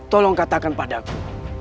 tolong katakan padaku